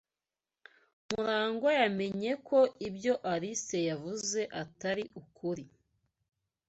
Murangwa yamenye ko ibyo Alice yavuze atari ukuri.